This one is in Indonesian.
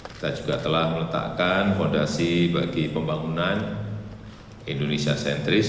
kita juga telah meletakkan fondasi bagi pembangunan indonesia sentris